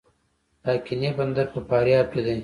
د اقینې بندر په فاریاب کې دی